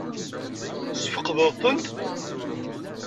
Tesfeqdeḍ-tent?